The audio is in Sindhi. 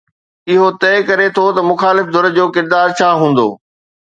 اهو طئي ڪري ٿو ته مخالف ڌر جو ڪردار ڇا هوندو.